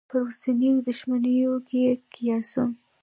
پر اوسنیو دوښمنیو یې قیاسوم.